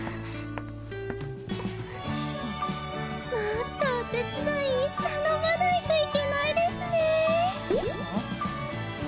もっとお手伝い頼まないといけないですね。